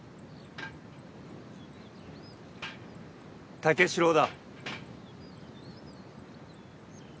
・武四郎だ。